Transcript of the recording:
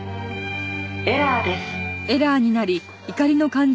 「エラーです」